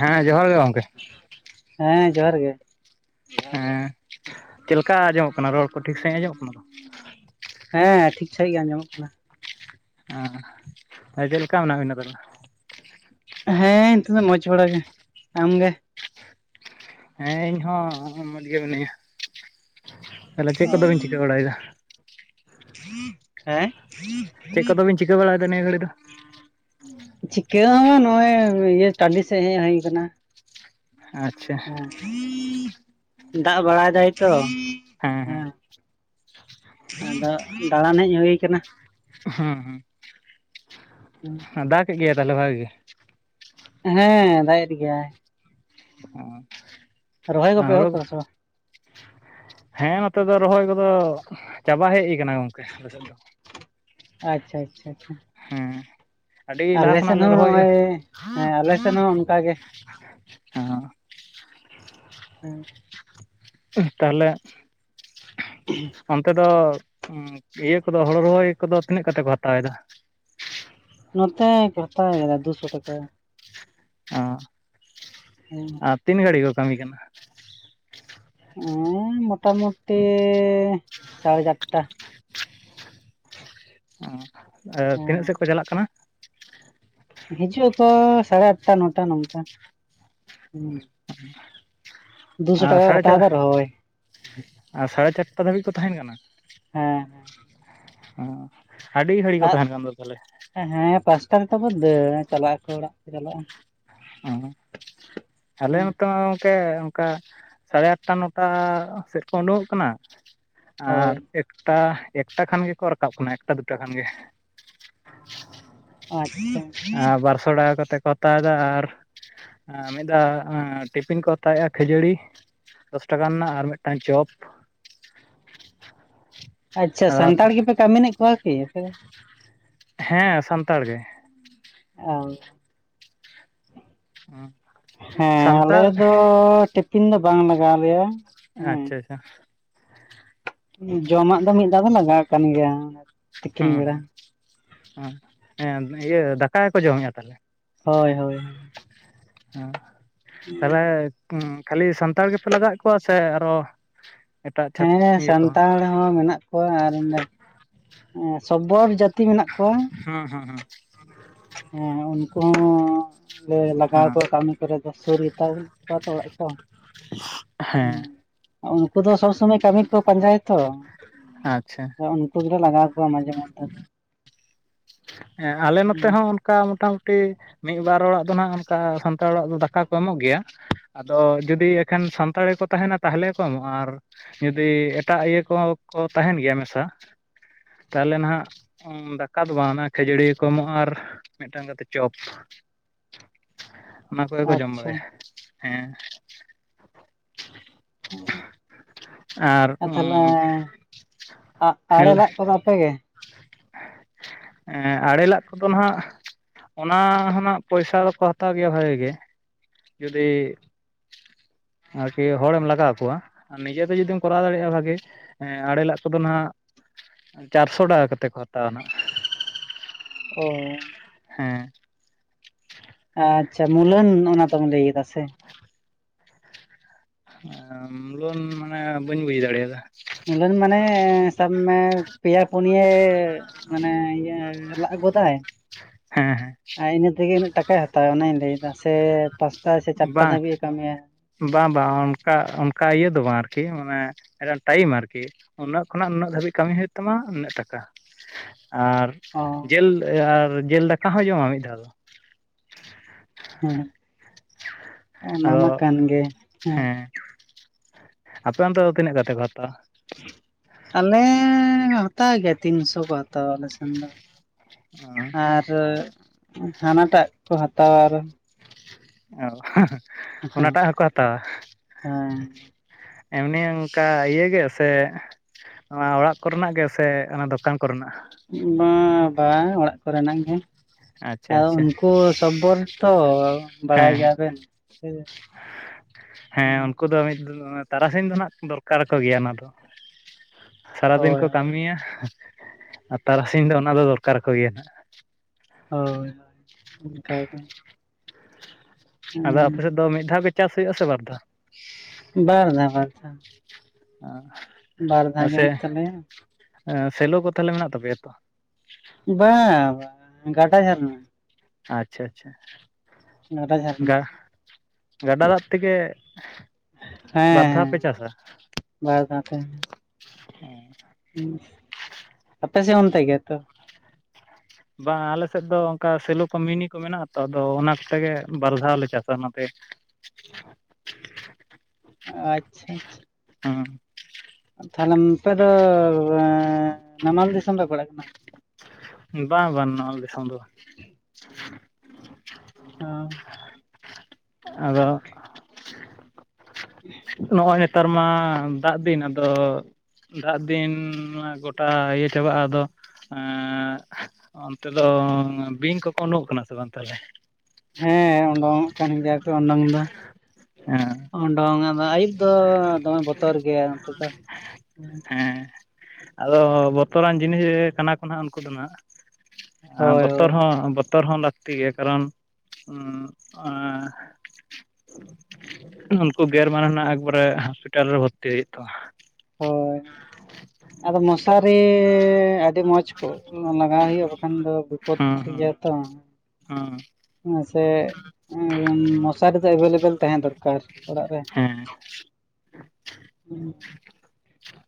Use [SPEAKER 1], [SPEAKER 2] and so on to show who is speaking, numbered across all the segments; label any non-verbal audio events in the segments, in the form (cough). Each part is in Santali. [SPEAKER 1] ᱦᱮᱸ ᱡᱚᱦᱟᱨ ᱜᱮ ᱜᱚᱢᱠᱮ
[SPEAKER 2] ᱦᱮᱸ ᱡᱚᱦᱟᱨ ᱜᱮ
[SPEAKER 1] ᱦᱮᱸ ᱪᱮᱫ ᱞᱮᱠᱟ ᱟᱸᱡᱚᱢᱚᱜ ᱠᱟᱱᱟ ᱨᱚᱲ ᱠᱚ ᱴᱷᱤᱠ ᱥᱟᱺᱦᱤᱡ ᱟᱸᱡᱚᱢᱚᱜ ᱠᱟᱱᱟ᱾
[SPEAKER 2] ᱦᱮᱸ ᱴᱷᱤᱠ ᱥᱟᱹᱦᱤᱡ ᱜᱮ ᱟᱸᱡᱚᱢᱚᱜ ᱠᱟᱱᱟ᱾
[SPEAKER 1] ᱪᱮᱫ ᱞᱮᱠᱟ ᱢᱮᱱᱟᱜ ᱵᱤᱱᱟ ᱛᱟᱦᱚᱞᱮ
[SPEAKER 2] ᱦᱮᱸ ᱱᱤᱛᱚᱜ ᱫᱚ ᱢᱚᱸᱡᱽ ᱵᱟᱲᱟᱜ ᱜᱮ ᱟᱢᱜᱮ
[SPEAKER 1] ᱦᱮᱸ ᱤᱧ ᱦᱚᱸ ᱢᱚᱡᱽ ᱜᱮ ᱢᱤᱱᱟᱹᱧᱟ ᱛᱟᱦᱚᱞᱮ ᱪᱮᱫ ᱠᱚᱫᱚ ᱵᱤᱱ ᱪᱤᱠᱟᱹ ᱵᱟᱲᱟᱭᱮᱫᱟ᱾
[SPEAKER 2] ᱦᱮᱸ
[SPEAKER 1] ᱪᱮᱫ ᱠᱚᱫᱚ ᱵᱤᱱ ᱪᱤᱠ ᱵᱟᱲᱟᱭᱟ ᱮᱫᱟ ᱱᱤᱭᱟᱹ ᱜᱷᱟᱹᱲᱤᱡ ᱫᱚ᱾
[SPEAKER 2] ᱪᱤᱠᱟᱹ ᱦᱚᱸ ᱵᱟᱝ ᱱᱚᱜ ᱚᱭ ᱤᱭᱟᱹ ᱴᱟᱰᱤ ᱥᱮᱫ ᱦᱮᱡ ᱦᱩᱭ ᱠᱟᱱᱟ᱾
[SPEAKER 1] ᱟᱪᱪᱷᱟ
[SPEAKER 2] ᱫᱟᱜ ᱵᱟᱲᱟᱭ ᱫᱟᱭ ᱛᱚ ᱦᱮᱸ ᱟᱫᱚ ᱫᱟᱬᱟᱱ ᱦᱮᱡ ᱦᱩᱭ ᱠᱟᱱᱟ᱾
[SPEAKER 1] ᱦᱮᱸ ᱦᱮᱸ ᱫᱟᱜ ᱠᱮᱫ ᱜᱮᱭᱟ ᱛᱟᱦᱞᱮ ᱵᱷᱟᱜᱮ ᱜᱮ?
[SPEAKER 2] ᱦᱮᱸ ᱫᱟᱜᱮᱫ ᱜᱮᱭᱟᱭ᱾ ᱨᱚᱦᱚᱭ
[SPEAKER 1] ᱚᱸ ᱟ
[SPEAKER 2] ᱠᱚᱯᱮ ᱮᱦᱚᱵ
[SPEAKER 1] ᱦᱚᱲᱳ
[SPEAKER 2] ᱠᱟᱫᱟ ᱥᱮ ᱵᱟᱝ
[SPEAKER 1] ᱦᱮᱸ ᱱᱚᱛᱮ ᱫᱚ ᱨᱚᱦᱚᱭ ᱠᱚᱫᱚ ᱪᱟᱵᱟ ᱦᱮᱡ ᱠᱟᱱᱟ ᱜᱚᱝᱠᱮ ᱟᱞᱮ ᱥᱮᱫ ᱫᱚ᱾
[SPEAKER 2] ᱟᱪᱪᱷᱟ ᱟᱪᱪᱷᱟ ᱟᱪᱪᱷᱟ
[SPEAKER 1] ᱦᱩᱸ ᱟᱹᱰᱤ ᱞᱟᱦᱟ
[SPEAKER 2] ᱟᱞᱮ
[SPEAKER 1] ᱠᱷᱚᱱᱟᱜ
[SPEAKER 2] ᱥᱮᱱ
[SPEAKER 1] ᱞᱮ
[SPEAKER 2] ᱦᱚᱸ
[SPEAKER 1] ᱨᱚᱦᱚᱭᱮᱜᱼᱟ᱾
[SPEAKER 2] ᱱᱚᱜᱼᱚᱭ
[SPEAKER 1] (unintelligible)
[SPEAKER 2] ᱦᱮᱸ ᱟᱞᱮ ᱥᱮᱱ
[SPEAKER 1] ᱦᱚᱸ-ᱜ
[SPEAKER 2] ᱦᱚᱸ ᱚᱱᱠᱟ ᱜᱮ ᱦᱮᱸ
[SPEAKER 1] ᱛᱟᱦᱚᱞᱮ ᱚᱱᱛᱮ ᱫᱚ ᱚᱸ ᱤᱭᱟᱹ ᱠᱚᱫᱚ ᱦᱚᱲᱚ ᱨᱚᱦᱚᱭ ᱠᱚᱫᱚ ᱛᱤᱱᱟᱹᱜ ᱠᱟᱛᱮ ᱠᱚ ᱦᱟᱛᱟᱣᱮᱫᱟ?
[SPEAKER 2] ᱱᱚᱛᱮ ᱠᱚ ᱦᱟᱛᱟᱣ ᱫᱟ ᱫᱩᱥᱚ ᱴᱟᱠᱟ᱾
[SPEAKER 1] ᱚᱸ
[SPEAKER 2] ᱦᱮᱸ
[SPEAKER 1] ᱟᱨ ᱛᱤᱱ ᱜᱷᱟᱹᱲᱤ ᱠᱚ ᱠᱟᱹᱢᱤ ᱠᱟᱱᱟ᱾
[SPEAKER 2] ᱚᱸᱻ ᱢᱳᱚᱴᱟᱢᱩᱴᱤ ᱥᱟᱲᱮ ᱪᱟᱨᱴᱟ,
[SPEAKER 1] ᱚᱸ
[SPEAKER 2] ᱦᱮᱸ
[SPEAKER 1] ᱛᱤᱱᱟᱹᱜ ᱥᱮᱫ ᱠᱚ ᱪᱟᱞᱟᱜ ᱠᱟᱱᱟ?
[SPEAKER 2] ᱦᱤᱡᱩᱜ ᱟᱠᱚ ᱥᱟᱲᱮ ᱟᱴᱴᱟ ᱱᱚᱴᱟ ᱱᱚᱝᱠᱟ ᱦᱮᱸ᱾
[SPEAKER 1] ᱟᱨ
[SPEAKER 2] ᱠᱚ
[SPEAKER 1] ᱥᱟᱲᱮ
[SPEAKER 2] ᱦᱟᱛᱟᱣ
[SPEAKER 1] ᱪᱟᱨ
[SPEAKER 2] ᱮᱫᱟ ᱨᱚᱦᱚᱭ
[SPEAKER 1] ᱟᱨ ᱥᱟᱲᱮ ᱪᱟᱨᱴᱟ ᱫᱷᱟᱹᱵᱤᱡ ᱠᱚ ᱛᱟᱦᱮᱸᱱ ᱠᱟᱱᱟ᱾
[SPEAKER 2] ᱦᱮᱸ ᱦᱮᱸ
[SPEAKER 1] ᱚᱸ ᱟᱹᱰᱤ ᱜᱷᱟᱹᱲᱤ ᱠᱚ ᱛᱟᱦᱮᱸᱱ ᱠᱟᱱ ᱫᱚ ᱛᱟᱦᱞᱮ᱾
[SPEAKER 2] ᱦᱮᱸ ᱯᱟᱸᱥᱴᱟ ᱨᱮᱛ ᱵᱚ ᱫᱟᱹᱲᱟ ᱪᱟᱞᱟᱜ ᱟᱠᱚ ᱚᱲᱟᱜ ᱠᱚ ᱪᱟᱞᱟᱜᱼᱟ᱾
[SPEAKER 1] ᱚᱸ ᱟᱞᱮ
[SPEAKER 2] ᱦᱮᱸ
[SPEAKER 1] ᱱᱚᱛᱮ ᱢᱟ ᱜᱚᱝᱠᱮ ᱚᱱᱠᱟ ᱥᱟᱲᱮ ᱟᱴᱴᱟ ᱱᱚᱴᱟ ᱥᱮᱫ ᱠᱚ ᱩᱰᱩᱠᱚᱜ ᱠᱟᱱᱟ ᱟᱨ
[SPEAKER 2] ᱦᱳᱭ
[SPEAKER 1] ᱮᱠ ᱮᱠᱴᱟ ᱮᱠᱴᱟ ᱠᱷᱟᱱ ᱜᱮᱠᱚ ᱨᱟᱠᱟᱵ ᱠᱟᱱᱟ ᱮᱠᱴᱟ ᱫᱩᱴᱟ ᱠᱷᱟᱱ ᱜᱮ᱾
[SPEAKER 2] ᱟᱪᱪᱷᱟ
[SPEAKER 1] ᱟᱨ ᱵᱟᱨᱥᱚ ᱴᱟᱠᱟ ᱠᱟᱛᱮ ᱠᱚ ᱦᱟᱛᱟᱣ ᱫᱟ ᱟᱨ ᱢᱤᱫ ᱫᱷᱟᱣ ᱴᱤᱯᱷᱤᱱ ᱠᱚ ᱦᱟᱛᱟᱣᱮᱜᱼᱟ ᱠᱷᱟᱹᱡᱟᱹᱲᱤ᱾ ᱫᱚᱥ ᱴᱟᱠᱟ ᱨᱮᱱᱟᱜ ᱟᱨ ᱢᱤᱫᱴᱟᱝ ᱪᱚᱯ
[SPEAKER 2] ᱟᱪᱪᱷᱟ ᱥᱟᱱᱛᱟᱲ ᱜᱮᱯᱮ ᱠᱟᱢᱤᱱᱮᱫ ᱠᱚᱣᱟ ᱠᱤ ᱟᱯᱮ ᱫᱚ?
[SPEAKER 1] ᱦᱮᱸ ᱥᱟᱱᱛᱟᱲ ᱜᱮ,
[SPEAKER 2] ᱟᱢ ᱦᱮᱸ ᱟᱞᱮ
[SPEAKER 1] ᱥᱟᱱᱛᱟᱲ
[SPEAKER 2] ᱫᱚ ᱴᱤᱯᱤᱱ ᱫᱚ ᱵᱟᱝ ᱞᱟᱜᱟᱣ ᱞᱮᱭᱟ᱾ ᱦᱮᱸ
[SPEAKER 1] ᱟᱪᱪᱷᱟ ᱟᱪᱪᱷᱟ
[SPEAKER 2] ᱡᱚᱢᱟᱜ ᱫᱚ ᱢᱤᱫ ᱫᱷᱟᱣ ᱫᱚ ᱞᱟᱜᱟᱣ ᱠᱟᱱ ᱜᱮᱭᱟ᱾ ᱛᱤᱠᱤᱱ
[SPEAKER 1] ᱦᱩᱸ
[SPEAKER 2] ᱵᱮᱲᱟ
[SPEAKER 1] ᱦᱩᱸ ᱦᱮᱸ ᱦᱮᱸ ᱤᱭᱟᱹ ᱫᱟᱠᱟ ᱜᱮᱠᱚ ᱡᱚᱢᱮᱫᱼᱟ ᱛᱟᱦᱚᱞᱮ᱾
[SPEAKER 2] ᱦᱳᱭ ᱦᱳᱭ
[SPEAKER 1] ᱟᱸ ᱛᱟᱦᱚᱞᱮ ᱩᱸ ᱠᱷᱟᱹᱞᱤ ᱥᱟᱱᱛᱟᱲ ᱜᱮᱯᱮ ᱞᱟᱜᱟᱣᱮᱫ ᱠᱚᱣᱟ ᱥᱮ ᱟᱨᱚ ᱮᱴᱟᱜ ᱪᱷᱟᱹᱛ
[SPEAKER 2] ᱦᱮᱸ
[SPEAKER 1] ᱤᱭᱟᱹ ᱠᱚᱦᱚᱸ
[SPEAKER 2] ᱥᱟᱱᱛᱟᱲ ᱦᱚᱸ ᱢᱮᱱᱟᱜ ᱠᱚᱣᱟ ᱟᱨ ᱚᱸᱰᱮ ᱥᱚᱵᱵᱚᱨ ᱡᱟᱹᱛᱤ ᱢᱮᱱᱟᱜ ᱠᱚᱣᱟ᱾
[SPEAKER 1] ᱦᱩᱸ ᱦᱩᱸ ᱦᱩᱸ
[SPEAKER 2] ᱦᱮᱸ ᱩᱱᱠᱩ ᱦᱚᱸ ᱞᱮ ᱞᱟᱜᱟᱣ
[SPEAKER 1] ᱦᱮᱸ
[SPEAKER 2] ᱠᱚᱣᱟ ᱠᱟᱹᱢᱤ᱾ ᱛᱚᱨᱮ ᱫᱚ ᱥᱩᱨ ᱜᱮ ᱛᱟᱵᱚᱱ ᱛᱟᱛᱚ ᱚᱲᱟᱜ ᱠᱚ᱾ ᱦᱮᱸ, ᱩᱱᱠᱩ ᱫᱚ ᱥᱚᱵᱽ ᱥᱚᱢᱚᱭ ᱠᱟᱹᱢᱤ ᱠᱚ ᱯᱟᱸᱡᱟᱭᱟᱛᱚ᱾
[SPEAKER 1] ᱟᱪᱪᱷᱟ
[SPEAKER 2] ᱩᱱᱠᱩ ᱜᱮᱞᱮ ᱞᱟᱜᱟᱣ ᱠᱚᱣᱟ ᱢᱟᱡᱷᱮ ᱢᱚᱫᱷᱮ ᱫᱚ᱾
[SPEAKER 1] ᱟᱞᱮ ᱱᱚᱛᱮ
[SPEAKER 2] ᱦᱩᱸ
[SPEAKER 1] ᱦᱚᱸ ᱚᱱᱠᱟ ᱢᱚᱴᱟᱢᱩᱴᱤ ᱢᱤᱫ ᱵᱟᱨ ᱚᱲᱟᱜ ᱫᱚ ᱱᱟᱜ ᱚᱱᱠᱟ ᱥᱟᱱᱛᱟᱲ ᱚᱲᱟᱜ ᱫᱚ ᱫᱟᱠᱟ ᱠᱚ ᱮᱢᱚᱜ ᱜᱮᱭᱟ᱾ ᱟᱫᱚ ᱡᱩᱫᱤ ᱮᱠᱷᱟᱱ ᱥᱟᱱᱛᱟᱲ ᱜᱮᱠᱚ ᱛᱟᱦᱮᱸᱱᱟ ᱛᱟᱦᱚᱞᱮ ᱠᱚ ᱮᱢᱚᱜᱼᱟ ᱟᱨ ᱡᱩᱫᱤ ᱮᱴᱟᱜ ᱤᱭᱟᱹ ᱠᱚᱠᱚ ᱛᱟᱦᱮᱸᱱ ᱜᱮᱭᱟ ᱢᱮᱥᱟ ᱛᱟᱞᱦᱮ ᱱᱟᱜ ᱫᱟᱠᱟ ᱫᱚ ᱵᱟᱝ ᱚᱱᱟ ᱠᱷᱟᱹᱡᱟᱹᱲᱤ ᱠᱚ ᱮᱢᱚᱜᱼᱟ ᱟᱨ ᱢᱤᱫᱴᱟᱝ ᱠᱟᱛᱮᱫ ᱪᱚᱯ᱾ ᱚᱱᱟ ᱠᱚᱜᱮ ᱠᱚ ᱡᱚᱢ
[SPEAKER 2] ᱟᱪᱪᱷᱟ
[SPEAKER 1] ᱵᱟᱲᱟᱭᱟ, ᱦᱮᱸ᱾ (inaudible) ᱟᱨ ᱩᱸ
[SPEAKER 2] ᱟᱲᱮ
[SPEAKER 1] ᱦᱮᱞᱮ
[SPEAKER 2] ᱞᱟᱜ ᱠᱚᱫᱚ ᱟᱯᱮ ᱜᱮ
[SPEAKER 1] ᱮᱸ ᱟᱲᱮᱞᱟᱜ ᱠᱚᱫᱚ ᱱᱟᱸᱦᱟᱜ ᱦᱚᱱᱟᱜ ᱯᱚᱭᱥᱟ ᱫᱚᱠᱚ ᱦᱟᱛᱟᱣ ᱜᱮᱭᱟ ᱵᱷᱟᱜᱤ ᱜᱮ᱾ ᱡᱩᱫᱤ ᱟᱨᱠᱤ ᱦᱚᱲᱮᱢ ᱞᱟᱜᱟᱣ ᱠᱚᱣᱟ ᱟᱨ ᱱᱤᱡᱮᱛᱮ ᱡᱩᱫᱤᱢ ᱠᱚᱨᱟᱣ ᱫᱟᱲᱮᱭᱟᱜᱼᱟ ᱵᱷᱟᱜᱮ᱾ ᱦᱮᱸ ᱟᱲᱮᱞᱟᱜ ᱠᱚᱫᱚ ᱱᱟᱜ ᱪᱟᱨᱥᱚ ᱴᱟᱠᱟ ᱴᱟᱠᱟ ᱠᱟᱛᱮ ᱠᱚ ᱦᱟᱛᱟᱣ ᱟᱱᱟᱜ᱾
[SPEAKER 2] ᱚ
[SPEAKER 1] ᱦᱮᱸ
[SPEAKER 2] ᱟᱪᱪᱷᱟ ᱢᱩᱞᱟᱹᱱ ᱚᱱᱟ ᱫᱚᱚᱢ ᱞᱟᱹᱭ ᱫᱟ ᱥᱮ?
[SPEAKER 1] (inaudible) ᱢᱩᱞᱳᱱ ᱢᱟᱱᱮ ᱵᱟᱹᱧ ᱵᱩᱡ ᱫᱟᱲᱮᱭᱟᱫᱟ?
[SPEAKER 2] ᱢᱩᱞᱟᱹᱱ ᱢᱟᱱᱮ ᱥᱟᱵᱢᱮ ᱯᱮᱭᱟ ᱯᱩᱱᱤᱭᱟ ᱮ ᱢᱟᱱᱮ ᱤᱭᱟᱹ ᱞᱟᱜ ᱜᱚᱫᱟᱭ,
[SPEAKER 1] ᱦᱮᱸ ᱦᱮᱸ
[SPEAKER 2] ᱦᱮ ᱤᱱᱟᱹ ᱛᱮᱜᱮ ᱩᱱᱟᱹᱜ ᱴᱟᱠᱟᱭ ᱦᱟᱛᱟᱟᱣ ᱚᱱᱟᱧ ᱞᱟᱹᱭᱮᱫᱟ ᱥᱮ ᱯᱟᱸᱪᱴᱟ ᱥᱮ ᱪᱟᱨᱴᱟ
[SPEAKER 1] ᱵᱟᱝ
[SPEAKER 2] ᱫᱷᱟᱹᱵᱤᱡ ᱮ ᱠᱟᱹᱢᱤᱭᱟ᱾
[SPEAKER 1] ᱵᱟᱝ ᱵᱟᱝ ᱚᱱᱠᱟ ᱚᱱᱠᱟ ᱤᱭᱟᱹ ᱫᱚ ᱵᱟᱝ ᱟᱨᱠᱤ ᱢᱟᱱᱮ ᱢᱤᱫᱴᱟᱱ ᱴᱟᱭᱤᱢ ᱟᱨᱠᱤ᱾ ᱩᱱᱟᱹᱜ ᱠᱷᱚᱱᱟᱜ ᱱᱩᱟᱹᱜ ᱫᱷᱟᱹᱵᱤᱡ ᱠᱟᱹᱢᱤ ᱦᱩᱭᱩᱜ ᱛᱟᱢᱟ ᱩᱱᱟᱹᱜ ᱴᱟᱠᱟ᱾ ᱟᱨ
[SPEAKER 2] ᱚ
[SPEAKER 1] ᱡᱤᱞ ᱡᱤᱞ ᱫᱟᱠᱟ ᱦᱚᱸ ᱡᱚᱢᱟ ᱢᱤᱫ ᱫᱷᱟᱣ ᱫᱚ᱾
[SPEAKER 2] ᱦᱮᱸ ᱚᱱᱟ
[SPEAKER 1] ᱟᱫᱚ
[SPEAKER 2] ᱢᱟ ᱠᱟᱱ ᱜᱮ,
[SPEAKER 1] ᱦᱮᱸ ᱟᱯᱮ ᱚᱱᱛᱮ ᱫᱚ ᱛᱤᱱᱟᱹᱜ ᱠᱟᱛᱮ ᱠᱚ ᱦᱟᱛᱟᱣᱟ?
[SPEAKER 2] ᱟᱞᱮ ᱦᱟᱛᱟᱣ ᱜᱮᱭᱟ ᱛᱤᱱᱥᱚ ᱠᱚ ᱦᱟᱛᱟᱣᱟ ᱟᱞᱮ ᱥᱮᱱ ᱫᱚ᱾ ᱟᱨ ᱦᱟᱱᱟᱴᱟᱜ ᱠᱚ ᱦᱟᱛᱟᱣᱟ ᱟᱨ,
[SPEAKER 1] ᱚ ᱚᱱᱟᱴᱟᱜ ᱦᱚᱸᱠᱚ ᱦᱟᱛᱟᱣᱟ?
[SPEAKER 2] ᱦᱮᱸ
[SPEAKER 1] ᱮᱢᱱᱤ ᱚᱱᱠᱟ ᱤᱭᱟᱹ ᱜᱮ ᱥᱮ ᱱᱚᱣᱟ ᱚᱲᱟᱜ ᱠᱚᱨᱮᱱᱟᱜ ᱜᱮ ᱥᱮ ᱚᱱᱟ ᱫᱚᱠᱟᱱ ᱠᱚᱨᱮᱱᱟᱜ?
[SPEAKER 2] ᱵᱟ ᱚᱲᱟᱜ ᱠᱚ ᱨᱮᱱᱟᱜ ᱜᱮ᱾
[SPEAKER 1] ᱟᱪᱪᱷᱟ ᱟᱪᱪᱷᱟ
[SPEAKER 2] ᱩᱱᱠᱩ ᱥᱚᱵᱵᱚᱨ ᱛᱚ ᱵᱟᱲᱟᱭ
[SPEAKER 1] ᱦᱮᱸ ᱦᱮᱸ
[SPEAKER 2] ᱜᱮᱭᱟ ᱵᱮᱱ?
[SPEAKER 1] ᱦᱮᱸ ᱩᱱᱠᱩ ᱫᱚ ᱢᱤᱫ ᱛᱟᱨᱟᱥᱤᱧ ᱫᱚ ᱦᱟᱜ ᱫᱚᱨᱠᱟᱨ ᱠᱚ ᱜᱮᱭᱟ ᱚᱱᱟ ᱫᱚ᱾ ᱥᱟᱨᱟᱫᱤᱱ
[SPEAKER 2] ᱦᱳᱭ
[SPEAKER 1] ᱠᱚ ᱠᱟᱹᱢᱤᱭᱟ ᱟᱨ ᱛᱟᱨᱟᱥᱤᱧ ᱫᱚ ᱚᱱᱟ ᱫᱚ ᱫᱚᱨᱠᱟᱨ ᱟᱠᱚ ᱜᱮᱭᱟ ᱦᱟᱜ᱾
[SPEAKER 2] ᱦᱳᱭ ᱚᱱᱠᱟᱜᱮ,
[SPEAKER 1] ᱟᱫᱚ ᱟᱯᱮ ᱥᱮᱫ ᱫᱚ ᱢᱤᱫ ᱫᱷᱟᱣ ᱯᱮ ᱪᱟᱥ ᱦᱩᱭᱩᱜᱼᱟ ᱥᱮ ᱵᱟᱨ ᱫᱷᱟᱣ?
[SPEAKER 2] ᱵᱟᱨ ᱫᱟ ᱵᱟᱨ ᱫᱷᱟᱣ᱾
[SPEAKER 1] (unintelligible)
[SPEAKER 2] ᱵᱟᱨ ᱫᱷᱟᱣ ᱜᱮ ᱦᱩᱭᱩᱜ ᱛᱟᱞᱮᱭᱟ᱾
[SPEAKER 1] ᱮᱸ ᱥᱮᱞᱳ ᱠᱚ ᱛᱟᱦᱚᱞᱮ ᱢᱮᱱᱟᱜ ᱛᱟᱯᱮᱭᱟ ᱛᱚ?
[SPEAKER 2] ᱵᱟ ᱵᱟ ᱜᱟᱰᱟ ᱡᱷᱟᱨᱱᱟ,
[SPEAKER 1] ᱟᱪᱪᱷᱟ ᱟᱪᱪᱷᱟ
[SPEAKER 2] ᱜᱟᱰᱟ ᱡᱷᱟᱨᱱᱟ
[SPEAKER 1] ᱜᱟ ᱜᱟᱰᱟ ᱫᱟᱜ ᱛᱮᱜᱮ
[SPEAKER 2] ᱦᱮᱸ
[SPEAKER 1] ᱵᱟᱨ ᱫᱷᱟᱣ
[SPEAKER 2] ᱦᱮᱸ
[SPEAKER 1] ᱯᱮ ᱪᱟᱥᱟ?
[SPEAKER 2] ᱵᱟᱨ ᱫᱷᱟᱣ ᱛᱮ,
[SPEAKER 1] (unintelligible)
[SPEAKER 2] ᱦᱩᱸ ᱟᱯᱮ ᱥᱮᱫ ᱚᱱᱛᱮ ᱜᱮᱛᱚ?
[SPEAKER 1] ᱵᱟᱝ ᱟᱞᱮ ᱥᱮᱫ ᱫᱚ ᱚᱱᱠᱟ ᱥᱮᱞᱚ ᱠᱚ ᱢᱤᱱᱤ ᱠᱚ ᱢᱮᱱᱟᱜ ᱟᱛᱚ ᱟᱫᱚ ᱚᱱᱟ ᱠᱚᱛᱮ ᱜᱮ ᱵᱟᱨ ᱫᱷᱟᱣ ᱞᱮ ᱪᱟᱥᱟ ᱚᱱᱟᱛᱮ᱾ (inaudible)
[SPEAKER 2] ᱟᱪᱪᱷᱟ ᱟᱪᱪᱷᱟ
[SPEAKER 1] ᱦᱩ
[SPEAKER 2] ᱛᱟᱦᱚᱞᱮ ᱟᱯᱮ ᱫᱚ ᱱᱟᱢᱟᱞ ᱫᱤᱥᱚᱢ ᱯᱮ ᱯᱟᱲᱟᱜ ᱠᱟᱱᱟ?
[SPEAKER 1] ᱵᱟᱝ ᱵᱟᱝ ᱱᱟᱢᱟᱞ ᱫᱤᱥᱚᱢ ᱫᱚ ᱵᱟᱝ᱾
[SPEAKER 2] ᱦᱟᱸ
[SPEAKER 1] ᱟᱫᱚ ᱱᱚᱜᱼᱚᱭ ᱱᱮᱛᱟᱨ ᱢᱟ ᱫᱟᱜ ᱫᱤᱱ ᱟᱫᱚ, ᱫᱟᱜ ᱫᱤᱱ ᱜᱚᱴᱟ ᱤᱭᱟᱹ ᱪᱟᱵᱟᱜᱼᱟ ᱟᱫᱚ ᱮᱸ, ᱚᱱᱛᱮ ᱫᱚ ᱵᱤᱧ ᱠᱚᱠᱚ ᱩᱰᱩᱜᱚᱜ ᱠᱟᱱᱟ ᱥᱮ ᱵᱟᱝ ᱛᱟᱦᱚᱞᱮ?
[SPEAKER 2] ᱦᱮᱸ ᱩᱰᱩᱝᱚᱜ ᱠᱟᱱ ᱜᱮᱭᱟ ᱠᱚ ᱩᱰᱩᱝ ᱫᱚ
[SPEAKER 1] ᱦᱮᱸ
[SPEAKER 2] ᱩᱰᱩᱝ ᱟᱫᱚ ᱟᱹᱭᱩᱵ ᱫᱚ ᱫᱚᱢᱮ ᱵᱚᱛᱚᱨ ᱜᱮᱭᱟ ᱱᱚᱛᱮ ᱫᱚ
[SPEAKER 1] ᱦᱮᱸ ᱟᱫᱚ ᱵᱚᱛᱚᱨᱟᱱ ᱡᱤᱱᱤᱥ ᱜᱮ ᱠᱟᱱᱟ ᱠᱚ ᱱᱟᱜ ᱩᱱᱠᱩ ᱫᱚ ᱱᱟᱜ
[SPEAKER 2] ᱦᱳᱭ
[SPEAKER 1] ᱵᱚᱛᱚᱨ
[SPEAKER 2] ᱦᱳᱭ
[SPEAKER 1] ᱦᱚᱸ ᱵᱚᱛᱚᱨ ᱦᱚᱸ ᱞᱟᱹᱠᱛᱤ ᱜᱮ ᱠᱟᱨᱚᱱ ᱩᱸ ᱮᱸ ᱩᱱᱠᱩ ᱜᱮᱨ ᱢᱟᱱᱮ ᱱᱟᱜ ᱮᱠᱵᱟᱨᱮ ᱦᱚᱥᱯᱤᱴᱟᱞ ᱨᱮ ᱵᱷᱚᱨᱛᱤᱜ ᱦᱩᱭᱩᱜ ᱛᱟᱢᱟ᱾
[SPEAKER 2] ᱦᱳᱭ
[SPEAKER 1] (inaudible)
[SPEAKER 2] ᱟᱫᱚ ᱢᱚᱥᱟᱨᱤ ᱟᱹᱰᱤ ᱢᱚᱸᱡᱽ ᱠᱚ ᱞᱟᱜᱟᱣ ᱦᱩᱭᱩᱜᱼᱟ ᱵᱟᱠᱷᱟᱱ ᱫᱚ,
[SPEAKER 1] ᱦᱩᱸ
[SPEAKER 2] ᱯᱩᱼᱛᱷᱤ
[SPEAKER 1] ᱦᱩᱸ
[SPEAKER 2] ᱜᱮᱭᱟ ᱛᱚ,
[SPEAKER 1] ᱦᱩᱸ
[SPEAKER 2] ᱦᱮᱸ ᱥᱮ ᱢᱚᱥᱟᱨᱤ ᱫᱚ ᱮᱵᱮᱞᱮᱵᱮᱞ ᱛᱟᱦᱮᱸ ᱫᱚᱨᱠᱟᱨ ᱚᱲᱟᱜ ᱨᱮ᱾
[SPEAKER 1] ᱦᱮᱸ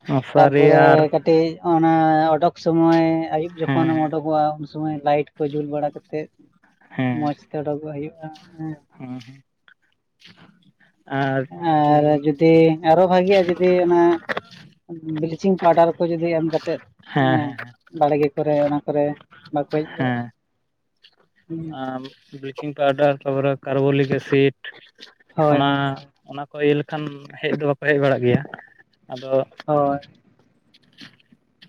[SPEAKER 1] ᱢᱚᱥᱟᱨᱤ
[SPEAKER 2] ᱛᱟᱨᱯᱚᱨᱮ
[SPEAKER 1] ᱟᱨ
[SPEAKER 2] ᱠᱟ ᱴᱤᱡ ᱚᱱᱟ ᱚᱰᱚᱠ ᱥᱚᱢᱚᱭ ᱟᱹᱭᱩᱵ ᱡᱚᱠᱷᱚᱱ,
[SPEAKER 1] ᱦᱮᱸ
[SPEAKER 2] ᱚᱰᱚᱠᱚᱜᱼᱟ ᱩᱱ ᱥᱚᱢᱚᱭ ᱞᱟᱭᱤᱴ ᱠᱚ ᱡᱩᱞ ᱵᱟᱲᱟ ᱠᱟᱛᱮᱫ ᱢᱚᱸᱡᱽ ᱛᱮ ᱚᱰᱚᱠᱚᱜ ᱦᱩᱭᱩᱜᱼᱟ ᱦᱮ᱾
[SPEAKER 1] ᱦᱮᱸ ᱦᱮᱸ ᱟᱨ
[SPEAKER 2] ᱟᱨ
[SPEAKER 1] ᱦᱮᱸ
[SPEAKER 2] ᱡᱩᱫᱤ ᱟᱨᱚ ᱵᱷᱟᱜᱤᱜᱼᱟ ᱡᱩᱫᱤ ᱚᱱᱟ ᱵᱞᱤᱪᱤᱝ ᱯᱟᱣᱰᱟᱨ ᱠᱚ ᱡᱩᱫᱤ ᱮᱢ ᱠᱟᱛᱮᱫ, ᱦᱮᱸ ᱵᱟᱲᱜᱮ ᱠᱚᱨᱮ ᱚᱱᱟ ᱠᱚᱨᱮ ᱵᱟᱠᱚ ᱦᱮᱡ ᱵᱟᱲᱟᱜᱼᱟ
[SPEAKER 1] ᱦᱮᱸ
[SPEAKER 2] ᱦᱩ᱾
[SPEAKER 1] ᱟᱢ ᱵᱞᱤᱪᱤᱝ ᱯᱟᱣᱰᱟᱨ ᱛᱟᱨᱯᱚᱨᱮ ᱠᱟᱨᱵᱳᱚᱞᱤᱠ ᱮᱥᱤᱰ
[SPEAKER 2] ᱦᱳᱭ
[SPEAKER 1] ᱚᱱᱟ
[SPEAKER 2] ᱦᱳᱭ
[SPEAKER 1] ᱚᱱᱟ ᱠᱚ ᱤᱭᱟᱹ ᱞᱮᱠᱷᱟᱱ ᱦᱮᱡ ᱫᱚ ᱵᱟᱠᱚ ᱦᱮᱡ ᱵᱟᱲᱟᱜ ᱜᱮᱭᱟ ᱟᱫᱚ
[SPEAKER 2] ᱦᱚᱭ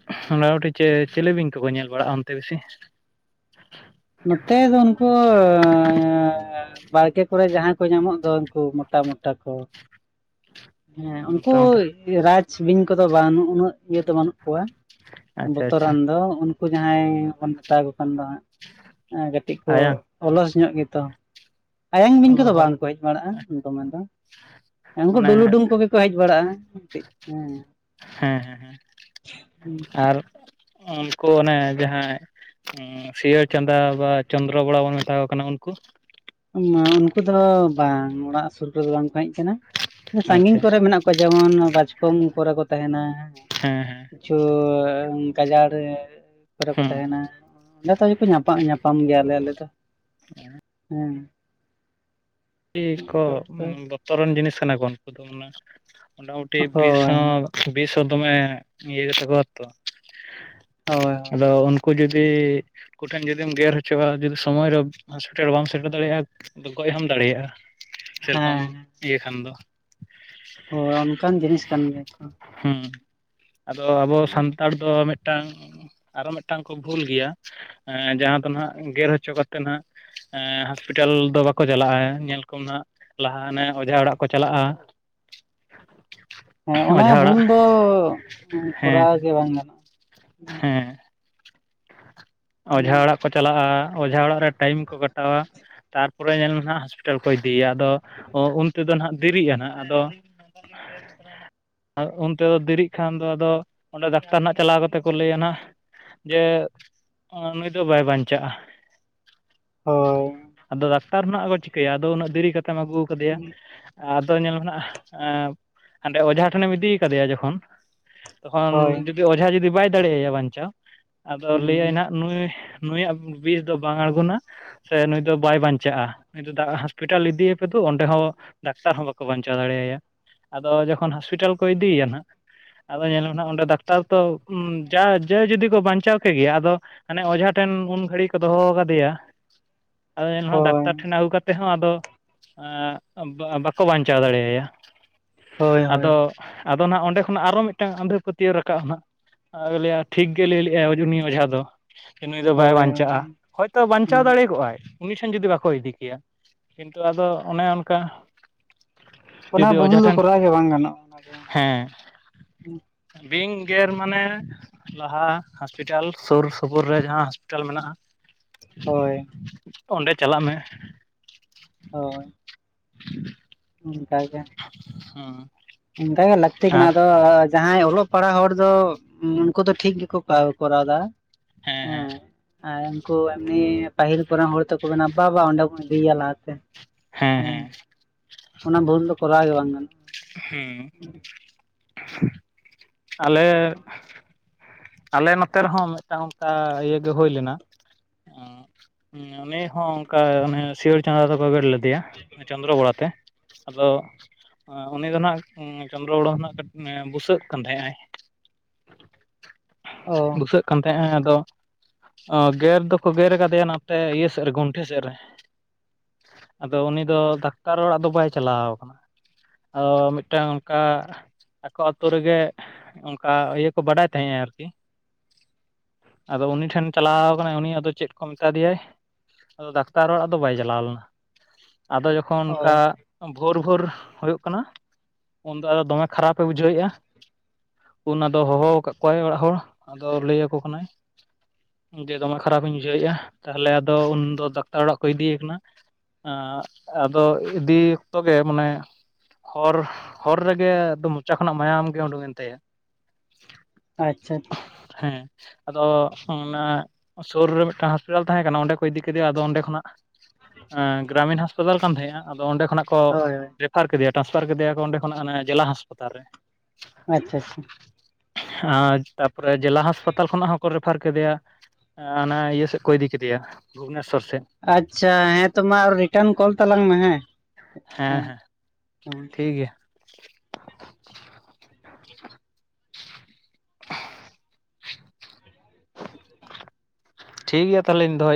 [SPEAKER 1] ᱢᱳᱚᱴᱟᱢᱩᱴᱤ ᱪᱤᱞᱤ ᱵᱤᱧ ᱠᱚᱠᱚ ᱧᱮᱞ ᱵᱟᱲᱟᱜᱼᱟ ᱚᱱᱛᱮ ᱵᱮᱥᱤ?
[SPEAKER 2] ᱱᱚᱛᱮ ᱫᱚ ᱩᱱᱠᱩ ᱵᱟᱲᱠᱮ ᱠᱚᱨᱮ ᱡᱟᱦᱟᱸᱭ ᱠᱚ ᱧᱟᱢᱚᱜ ᱫᱚ ᱩᱱᱠᱩ ᱢᱚ ᱴᱟ ᱢᱚᱴᱟ ᱠᱚ, ᱦᱮᱸ ᱩᱱᱠᱩ
[SPEAKER 1] ᱢᱚᱴᱟᱢᱩᱴᱤ
[SPEAKER 2] ᱨᱟᱡᱽ ᱵᱤᱧ ᱠᱚᱫᱚ ᱵᱟᱹᱱᱩᱜ ᱩᱱᱟᱹᱜ ᱤᱭᱟᱹ ᱫᱚ ᱵᱟᱱᱩᱜ ᱠᱚᱣᱟ᱾
[SPEAKER 1] ᱟᱪᱪᱷᱟ ᱟᱪᱪᱷᱟ
[SPEAKER 2] ᱵᱚᱛᱚᱨᱟᱱ ᱫᱚ ᱩᱱᱠᱩ ᱡᱟᱦᱟᱸᱭ ᱵᱚᱱ ᱢᱮᱛᱟᱠᱚ ᱠᱟᱱ ᱫᱚ ᱦᱟᱸᱜ, ᱠᱟᱹᱴᱤᱡ ᱠᱚ
[SPEAKER 1] ᱟᱭᱟᱝ
[SPEAKER 2] ᱚᱞᱚᱥ ᱧᱚᱜ ᱜᱮᱛᱚ, ᱟᱭᱟᱝ ᱵᱤᱧ
[SPEAKER 1] ᱚ
[SPEAKER 2] ᱠᱚᱫᱚ
[SPEAKER 1] ᱦᱚᱸ
[SPEAKER 2] ᱵᱟᱝᱠᱚ ᱦᱮᱡ ᱵᱟᱲᱟᱜᱼᱟ ᱫᱚᱢᱮ ᱫᱚ᱾ ᱩᱱᱠᱩ
[SPEAKER 1] ᱚᱱᱮ
[SPEAKER 2] ᱰᱩᱞᱩᱰᱩᱝ ᱠᱚᱜᱮ ᱠᱚ ᱦᱮᱡ ᱵᱟᱲᱟᱜᱼᱟ ᱠᱟᱹᱴᱤᱡ ᱦᱮᱸ,
[SPEAKER 1] ᱦᱮ ᱦᱮ ᱩᱱᱠᱩ ᱚᱱᱮ ᱡᱟᱦᱟᱭ ᱥᱤᱭᱟᱹᱟᱹᱲ ᱪᱟᱸᱫᱟ ᱵᱟ ᱪᱚᱱᱫᱨᱚ ᱵᱚᱲᱟ ᱵᱚᱱ ᱢᱮᱛᱟ ᱠᱚ ᱠᱟᱱᱟ ᱩᱱᱠᱩ?
[SPEAKER 2] ᱩᱱᱠᱩ ᱫᱚ ᱵᱟᱝ ᱚᱲᱟᱜ ᱥᱩᱨ ᱠᱚᱫᱚ ᱵᱟᱝᱠᱚ ᱦᱮᱡ ᱠᱟᱱᱟ ᱥᱟᱺᱜᱤᱧ
[SPEAKER 1] ᱟᱪᱪᱷᱟ
[SPEAKER 2] ᱠᱚᱨᱮ ᱢᱮᱱᱟᱜ ᱠᱚᱣᱟ ᱡᱮᱢᱚᱱ ᱵᱟᱪᱠᱚᱢ ᱠᱚᱨᱮ ᱠᱚ ᱛᱟᱦᱮᱱᱟ,
[SPEAKER 1] ᱦᱮᱸ ᱦᱮᱸ
[SPEAKER 2] ᱠᱤᱪᱷᱩ ᱜᱟᱡᱟᱲ ᱠᱚᱨᱮ ᱠᱚ
[SPEAKER 1] ᱦᱮᱸ
[SPEAKER 2] ᱛᱟᱦᱮᱱᱟ᱾ ᱚᱸᱰᱮ ᱛᱚ ᱧᱟᱯᱟᱢ ᱧᱟᱯᱟᱢ ᱜᱮᱭᱟᱞᱮ ᱟᱞᱮ ᱫᱚ᱾
[SPEAKER 1] (unintelligible)
[SPEAKER 2] ᱦᱮᱸ
[SPEAKER 1] ᱟᱹᱰᱤ ᱠᱚ ᱵᱚᱛᱚᱨᱟᱱ ᱡᱤᱱᱤᱥ ᱠᱟᱱᱟ ᱠᱚ ᱩᱱᱠᱩ ᱫᱚ ᱚᱱᱟ ᱢᱳᱚᱴᱟᱢᱩᱴᱤ ᱵᱤᱥ ᱦᱳ
[SPEAKER 2] ᱦᱳᱭ
[SPEAKER 1] ᱵᱤᱥ ᱦᱚ ᱫᱚᱢᱮ ᱤᱭᱮ ᱹ ᱜᱮᱛᱟ ᱠᱚᱣᱟ ᱛᱚ
[SPEAKER 2] ᱦᱳᱭ
[SPEAKER 1] ᱟᱫᱚ ᱩᱱᱠᱩ ᱡᱩᱫᱤ ᱩᱱᱠᱩᱴᱷᱮᱱ ᱡᱩᱫᱤᱢ ᱜᱮᱨ ᱦᱚᱪᱚᱣᱟᱜᱼᱟ ᱡᱩᱫᱤ ᱥᱚᱢᱚᱭ ᱨᱮ ᱦᱚᱥᱯᱤᱴᱟᱞ ᱵᱟᱢ ᱥᱮᱴᱮᱨ ᱫᱟᱲᱮᱭᱟᱜᱼᱟ ᱜᱚᱭ ᱦᱚᱢ ᱫᱟᱲᱮᱭᱟᱜᱼᱟ ᱥᱮᱨᱚᱠᱚᱢ
[SPEAKER 2] ᱦᱮᱸ
[SPEAKER 1] ᱤᱭᱟᱹ ᱠᱷᱟᱱ ᱫᱚ,
[SPEAKER 2] ᱦᱳᱭ ᱚᱱᱠᱟᱱ ᱡᱤᱱᱤᱥ ᱠᱟᱱ ᱜᱮᱭᱟ ᱛᱚ᱾
[SPEAKER 1] ᱦᱩᱢ ᱟᱫᱚ ᱟᱵᱚ ᱥᱟᱱᱛᱟᱲ ᱫᱚ ᱢᱮᱫ ᱴᱟᱝ ᱟᱨᱚ ᱢᱮᱫᱴᱟᱝ ᱠᱚ ᱵᱷᱩᱞ ᱜᱮᱭᱟ ᱡᱟᱦᱟᱸ ᱫᱚ ᱦᱟᱸᱜ ᱜᱮᱨ ᱦᱚᱪᱚ ᱠᱟᱛᱮ ᱦᱟᱸᱜ ᱦᱚᱥᱯᱤᱴᱟᱞ ᱫᱚ ᱵᱟᱠᱚ ᱪᱟᱞᱟᱜᱼᱟ ᱧᱮᱞ ᱠᱚᱢ ᱱᱟᱜ ᱞᱟᱦᱟ ᱟᱱᱮ ᱚᱡᱷᱟ ᱚᱲᱟᱜ ᱠᱚ ᱪᱟᱞᱟᱜᱼᱟ
[SPEAKER 2] ᱦᱮᱸ ᱚᱱᱟ
[SPEAKER 1] ᱚᱡᱷᱟ
[SPEAKER 2] ᱵᱷᱩᱞ
[SPEAKER 1] ᱚᱲᱟᱜ
[SPEAKER 2] ᱫᱚ ᱠᱚᱨᱟᱣ ᱜᱮ ᱵᱟᱝ ᱜᱟᱱᱚᱜᱼᱟ
[SPEAKER 1] ᱦᱮ ᱚᱡᱷᱟ ᱚᱲᱟᱜ ᱠᱚ ᱪᱟᱞᱟᱜᱼᱟ ᱚᱡᱷᱟ ᱚᱲᱟᱜ ᱨᱮ ᱴᱟᱭᱤᱢ ᱠᱚ ᱠᱟᱴᱟᱣᱟ ᱛᱟᱨᱯᱚᱨᱮ ᱧᱮᱞ ᱢᱮ ᱦᱟᱜ ᱦᱚᱥᱯᱤᱴᱟᱞ ᱦᱚᱥᱯᱤᱴᱟᱞ ᱠᱚ ᱤᱫᱤᱭᱤᱭᱟ ᱟᱫᱚ ᱩᱱ ᱛᱮᱫᱚ ᱦᱟᱜ ᱫᱤᱨᱤᱜ ᱟᱱᱦᱟ ᱟᱫᱚ ᱩᱱᱛᱮᱫᱚ ᱫᱮᱨᱤᱜ ᱠᱷᱟᱱ ᱫᱚ ᱟᱫᱚ ᱚᱸᱰᱮ ᱰᱟᱠᱛᱟᱨ ᱱᱟᱜ ᱪᱟᱞᱟᱣ ᱠᱟᱛᱮ ᱠᱚ ᱞᱟᱹᱭᱟ ᱱᱟᱜ ᱡᱮ ᱱᱩᱭ ᱫᱚ ᱵᱟᱭ ᱵᱟᱧᱪᱟᱜᱼᱟ
[SPEAKER 2] ᱦᱳᱭ
[SPEAKER 1] ᱟᱫᱚ ᱰᱟᱠᱛᱟᱨ ᱦᱚ ᱱᱟᱜ ᱠᱚ ᱪᱤᱠᱟᱹᱭᱟ ᱟᱫᱚ ᱩᱱᱟᱹᱜ ᱫᱮᱨᱤ ᱠᱟᱛᱮᱢ ᱮᱢ ᱟᱜᱩᱣ ᱠᱟᱫᱮᱭᱟ ᱟᱫᱚ ᱧᱮᱞ ᱢᱮ ᱱᱟᱜ ᱦᱟᱸᱰᱮ ᱚᱡᱷᱟ ᱴᱷᱮᱱᱮᱢ ᱤᱫᱤᱣ ᱠᱟᱫᱮᱭᱟ ᱡᱚᱠᱷᱚᱱ ᱛᱚᱠᱷᱚᱱ
[SPEAKER 2] ᱦᱳᱭ
[SPEAKER 1] ᱡᱩᱫᱤ ᱚᱡᱷᱟ ᱡᱩᱫᱤ ᱵᱟᱭ ᱫᱟᱲᱮᱭ ᱭᱟ ᱵᱟᱧᱪᱟᱣ ᱟᱫᱚ ᱞᱟᱹᱭᱟᱭ
[SPEAKER 2] ᱦᱩᱸ
[SPEAKER 1] ᱱᱟᱦᱜ ᱱᱩᱭ ᱱᱩᱭᱟᱜ ᱵᱤᱥ ᱫᱚ ᱵᱟᱝ ᱟᱬᱜᱚᱱᱟ ᱥᱮ ᱱᱩᱭ ᱫᱚ ᱵᱟᱭ ᱵᱟᱧᱪᱟᱜᱼᱟ ᱱᱩᱭ ᱫᱟᱜ ᱦᱚᱥᱯᱤᱴᱟᱞ ᱤᱫᱤᱭᱮ ᱯᱮ ᱛᱚ ᱚᱸᱰᱮ ᱦᱚᱸ ᱰᱟᱠᱛᱟᱨ ᱦᱚ ᱵᱟᱠᱚ ᱵᱟᱧᱪᱟᱣ ᱫᱟᱲᱮᱭᱟᱭᱟ ᱟᱫᱚ ᱡᱚᱠᱷᱚᱱ ᱦᱚᱥᱯᱤᱴᱟᱞ ᱠᱚ ᱤᱫᱤᱭᱮᱭᱟ ᱱᱟᱜ ᱟᱫᱚ ᱧᱮᱞ ᱢᱮ ᱦ ᱚᱸᱰᱮ ᱰᱟᱠᱛᱟᱨ ᱫᱚ ᱡᱟ ᱡᱟ ᱡᱩᱫᱤ ᱠᱚ ᱵᱟᱧᱪᱟᱣ (unintelligible) ᱵᱟᱱᱪᱟᱣ ᱠᱮ ᱜᱮᱭᱟ ᱟᱫᱚ ᱟᱱᱮ ᱚᱡᱷᱟ ᱴᱷᱮᱱ ᱩᱱ ᱜᱷᱟᱹᱲᱤᱡ ᱠᱚ ᱫᱚᱦᱚᱣ ᱠᱟᱫᱮᱭᱟ ᱟᱫᱚ ᱮᱱᱦᱚ ᱰᱟᱠᱛᱟᱨ
[SPEAKER 2] ᱦᱳᱭ
[SPEAKER 1] ᱴᱷᱮᱱ ᱟᱹᱜᱩ ᱠᱟᱛᱮᱫ ᱦᱚ ᱟᱫᱚ ᱵᱟᱠᱳ ᱵᱟᱧᱪᱟᱣ ᱫᱟᱲᱮᱭᱟᱭᱟ
[SPEAKER 2] ᱦᱳᱭ ᱦᱳᱭ
[SPEAKER 1] ᱟᱫᱚ ᱟᱫᱚ ᱜ ᱚᱸᱰᱮ ᱠᱷᱚᱱᱟᱜ ᱟᱨᱚ ᱢᱤᱫᱴᱟᱝ ᱟᱸᱫᱷᱟ ᱯᱟᱹᱛᱭᱣ ᱨᱟᱠᱟᱵ ᱜ ᱟᱭᱟ ᱴᱷᱤᱠ ᱜᱮ ᱞᱟᱹᱭᱼᱟ ᱩᱱᱤ ᱚᱡᱷᱟ ᱫᱚ ᱱᱩᱭ ᱫᱚ ᱵᱟᱭ
[SPEAKER 2] ᱦᱳᱭ
[SPEAKER 1] ᱵᱟᱧᱪᱟᱜᱼᱟ ᱦᱚᱭᱛᱚ ᱵᱟᱧᱪᱟᱣ
[SPEAKER 2] ᱦᱩᱸ
[SPEAKER 1] ᱫᱟᱲᱮ ᱠᱚᱜᱼᱟᱭ ᱩᱱᱤ ᱴᱷᱮᱱ ᱡᱩᱫᱤ ᱵᱟᱠᱚ ᱤᱫᱤ ᱠᱮᱭᱟ ᱠᱤᱱᱛᱩ ᱟᱫᱚ ᱚᱱᱮ ᱚᱱᱠᱟ
[SPEAKER 2] ᱚᱱᱟ
[SPEAKER 1] ᱡᱩᱫᱤ
[SPEAKER 2] ᱵᱷᱩᱞ
[SPEAKER 1] ᱚᱡᱷᱟ
[SPEAKER 2] ᱫᱚ
[SPEAKER 1] ᱴᱷᱮᱱ
[SPEAKER 2] ᱠᱚᱨᱟᱣ ᱜᱮ ᱵᱟᱝ ᱜᱟᱱᱚᱜᱼᱟ ᱚᱱᱟ ᱫᱚ
[SPEAKER 1] ᱦᱮᱸ ᱵᱤᱧ ᱜᱮᱨ ᱢᱟᱱᱮ ᱞᱟᱦᱟ ᱦᱚᱥᱯᱤᱴᱟᱞ ᱥᱩᱨ ᱥᱩᱯᱩᱨ ᱨᱮ ᱡᱟᱦᱟ ᱦᱚᱥᱯᱤᱴᱟᱞ ᱢᱮᱱᱟᱜᱼᱟ
[SPEAKER 2] ᱦᱳᱭ
[SPEAKER 1] ᱚᱸᱰᱮ ᱪᱟᱞᱟᱜ ᱢᱮ
[SPEAKER 2] ᱦᱳᱭ
[SPEAKER 1] (unintelligible)
[SPEAKER 2] ᱚᱱᱠᱟᱜᱮ
[SPEAKER 1] ᱦᱚᱢ
[SPEAKER 2] ᱚᱱᱠᱟᱜᱮ ᱞᱟᱹᱠᱛᱤ ᱠᱟᱱᱟ ᱟᱫᱚ ᱡᱟᱦᱟᱸᱭ ᱚᱞᱚᱜ ᱯᱟᱲᱦᱟᱜ ᱦᱚᱲ ᱫᱚ ᱩᱱᱠᱩ ᱫᱚ ᱴᱷᱤᱠ ᱜᱮᱠᱚ ᱯ ᱠᱚᱨᱟᱣ ᱫᱟ
[SPEAKER 1] ᱦᱮᱸ
[SPEAKER 2] ᱦᱮ
[SPEAKER 1] ᱦᱮᱸ
[SPEAKER 2] ᱟᱨ ᱩᱱᱠᱩ ᱮᱢᱱᱤ ᱯᱟᱹᱦᱤᱞ ᱠᱚᱨᱮᱱ ᱦᱚᱲ ᱛᱠᱚ ᱢᱮᱱᱟ ᱵᱟᱵᱟ ᱚᱸᱰᱮ ᱵᱚᱱ ᱤᱫᱤᱭᱮᱭᱟ ᱞᱟᱦᱟᱛᱮ
[SPEAKER 1] ᱦᱮᱸ ᱦᱮᱸ
[SPEAKER 2] ᱚᱱᱟ ᱵᱷᱳᱩᱞ ᱫᱚ ᱠᱚᱨᱟᱣ ᱜᱮ ᱵᱟᱝ ᱜᱟᱱᱚᱜ
[SPEAKER 1] ᱦᱮᱸ (inaudible) ᱟᱞᱮ ᱟᱞᱮ ᱱᱚᱛᱮ ᱨᱮᱦᱚᱸ ᱢᱤᱫᱴᱟᱝ ᱚᱱᱠᱟ ᱤᱭᱮ ᱦᱩᱭ ᱞᱮᱱᱟ ᱩᱱᱤ ᱦᱚᱸ ᱚᱱᱠᱟ ᱚᱱᱮ ᱥᱤᱭᱟᱹᱟᱹᱲ ᱪᱟᱸᱫᱟ ᱫᱚᱠᱚ ᱜᱨ ᱞᱮᱫᱮᱭᱟ ᱪᱚᱸᱫᱨᱚ ᱵᱚᱲᱟᱛᱮ ᱟᱫᱚ ᱩᱱᱤ ᱫᱚ ᱟᱸᱱᱟᱜ ᱪᱚᱱᱫᱨᱚ ᱜᱚᱲᱟ ᱦᱚᱸ ᱜ ᱠᱟᱹᱴᱤᱡ ᱵᱩᱥᱟᱹᱜ ᱠᱟᱱ ᱛᱟᱦᱮᱸᱫ ᱟᱭ
[SPEAKER 2] ᱚ
[SPEAKER 1] ᱵᱩᱥᱟᱹᱜ ᱠᱟᱱ ᱛᱟᱦᱮᱸᱱᱟ ᱟᱫᱚ ᱚ ᱜᱮᱨ ᱫᱚᱠᱚ ᱜᱮᱨ ᱠᱟᱫᱮᱭᱟ ᱱᱟᱚᱛᱮ ᱤᱭᱟᱹ ᱥᱮᱫ ᱨᱮ ᱜᱚᱱᱴᱷᱮ ᱥᱮᱫ ᱨᱮ ᱟᱫᱚ ᱩᱱᱤ ᱫᱚ ᱰᱟᱠᱛᱟᱨ ᱚᱲᱟᱜ ᱫᱚ ᱵᱟᱭ ᱪᱟᱞᱟᱣ ᱟᱠᱟᱱᱟ ᱟᱫᱚ ᱢᱤᱫᱴᱟᱝ ᱚᱱᱠᱟ ᱟᱠᱚ ᱟ ᱟᱹᱛᱩᱳ ᱨᱮᱜᱮ ᱚᱱᱠᱟ ᱤᱭᱟᱹ ᱠᱚ ᱵᱟᱰᱟᱭ ᱛᱟᱦᱮᱸᱼᱟ ᱟᱨᱠᱤ ᱟᱫᱚ ᱩᱱᱤ ᱴᱷᱮᱱ ᱪᱟᱞᱟᱣ ᱟᱠᱟᱱᱟᱭ ᱩᱱᱤ ᱟᱫᱚ ᱪᱮᱫ ᱠᱚ ᱢᱮᱛᱟ ᱫᱮᱭᱟᱭ ᱟᱫᱚ ᱰᱟᱠᱛᱟᱨ ᱚᱲᱟᱜ ᱫᱚ ᱵᱟᱭ ᱪᱟᱞᱟᱣ ᱞᱮᱱᱟ ᱟᱫᱚ ᱡᱚᱠᱷᱚᱱ
[SPEAKER 2] ᱚ
[SPEAKER 1] ᱚᱱᱠᱟ ᱵᱷᱳᱨ ᱵᱷᱳᱨ ᱦᱩᱭᱩᱜ ᱠᱟᱱᱟ ᱩᱱᱫᱚ ᱟᱫᱚ ᱫᱚᱢᱮ ᱠᱷᱟᱨᱟᱯᱮ ᱵᱩᱡᱷᱟᱹᱣᱮᱫᱼᱟ ᱚᱱᱟ ᱫᱚ ᱦᱚᱦᱚ ᱟᱠᱟᱫ ᱠᱚᱣᱟᱭ ᱚᱲᱟᱜ ᱦᱚᱲ ᱟᱫᱚ ᱞᱟᱹᱭ ᱟᱠᱚ ᱠᱟᱱᱟᱭ, ᱡᱮ ᱫᱚᱢᱮ ᱠᱷᱟᱨᱟᱯ ᱤᱧ ᱵᱩᱡᱷᱟᱹᱣᱮᱫᱼᱟ ᱛᱟᱦᱞᱮ ᱟᱫᱚ ᱩᱱᱫᱚ ᱰᱟᱠᱛᱟᱨ ᱚᱲᱟᱜ ᱠᱚ ᱤᱫᱤᱭᱮ ᱠᱟᱱᱟ, ᱟᱫᱚ ᱤᱫᱤ ᱚᱠᱛᱚ ᱜᱮ ᱢᱟᱱᱮ, ᱦᱚᱨ ᱦᱚᱨ ᱨᱮᱜᱮ ᱮᱠᱫᱚᱢ ᱢᱚᱪᱟ ᱠᱷᱚᱱᱟᱜ ᱢᱟᱭᱟᱢ ᱜᱮ ᱩᱰᱩᱠ ᱮᱱ ᱛᱟᱭᱟ᱾
[SPEAKER 2] ᱟᱪᱪᱷᱟ ᱟᱪᱷᱟ
[SPEAKER 1] ᱦᱮᱸ ᱟᱫᱚ ᱚᱱᱟ ᱥᱩᱨ ᱨᱮ ᱢᱤᱫᱴᱟᱝ ᱦᱚᱥᱯᱤᱴᱟᱞ ᱛᱟᱦᱮᱸ ᱠᱟᱱᱟ ᱚᱸᱰᱮ ᱠᱚ ᱤᱫᱤ ᱠᱮᱫᱮᱭᱟ ᱟᱫᱚ ᱚᱸᱰᱮ ᱠᱷᱚᱱᱟᱜ, ᱜᱨᱟᱢᱤᱱ ᱦᱟᱥᱯᱟᱛᱟᱞ ᱠᱟᱱ ᱛᱟᱦᱮᱸᱜᱼᱟ ᱟᱫᱚ ᱚᱸᱰᱮ ᱠᱷᱚᱱᱟᱜ, ᱠᱚ
[SPEAKER 2] ᱦᱳᱭ ᱦᱳᱭ
[SPEAKER 1] ᱨᱮᱯᱷᱟᱨ ᱠᱮᱫᱮᱭᱟ ᱴᱨᱟᱱᱥᱯᱷᱟᱨ ᱠᱮᱫᱮᱭᱟᱠᱚ ᱚᱸᱰᱮ ᱠᱷᱚᱱᱟᱜ ᱚᱱᱟ ᱡᱮᱞᱟ ᱦᱟᱥᱯᱟᱛᱟᱞ ᱨᱮ᱾
[SPEAKER 2] ᱟᱪᱪᱷᱟ ᱟᱪᱪᱷᱟ
[SPEAKER 1] ᱟᱨ ᱛᱟᱯᱚᱨᱮ ᱡᱮᱞᱟ ᱦᱟᱸᱟᱥᱯᱟᱛᱟᱞ ᱠᱷᱚᱱᱟᱜ ᱦᱚᱸᱠᱚ ᱨᱮᱯᱷᱟᱨ ᱠᱮᱫᱮᱭᱟ᱾ ᱚᱱᱟ ᱤᱭᱟᱹ ᱥᱮᱫ ᱠᱚ ᱤᱫᱤ ᱠᱮᱫᱮᱭᱟ ᱵᱷᱩᱵᱽᱱᱮᱥᱥᱚᱨ ᱥᱮᱫ᱾
[SPEAKER 2] ᱟᱪᱪᱷᱟ ᱦᱮᱸ ᱛᱚ ᱢᱟ ᱨᱤᱴᱟᱨᱱ ᱠᱚᱞ ᱛᱟᱞᱟᱝ ᱢᱮ ᱦᱮᱸ?
[SPEAKER 1] ᱦᱮᱸ ᱦᱮᱸ
[SPEAKER 2] ᱦᱮᱸ
[SPEAKER 1] ᱴᱷᱤᱠ ᱜᱮᱭᱟ ᱴᱷᱤᱠ ᱜᱮᱭᱟ ᱛᱟᱦᱮᱧ ᱫᱚᱦᱚᱭ᱾